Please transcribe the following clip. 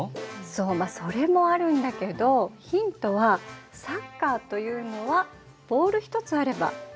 そうそれもあるんだけどヒントはサッカーというのはボール一つあればできるよね？